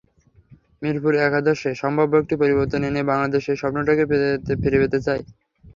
মিরপুরে একাদশে সম্ভাব্য একটি পরিবর্তন এনে বাংলাদেশ সেই স্বপ্নটাকে ফিরে পেতে চায়।